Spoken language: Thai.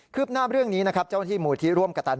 คืบหน้าเรื่องนี้เจ้าหน้าที่หมู่ที่ร่วมกับตัน